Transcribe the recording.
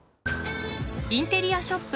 インテリアショップ